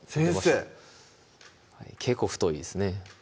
先生結構太いですね